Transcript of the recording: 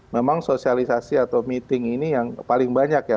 memang sosialisasi atau meeting ini yang paling banyak ya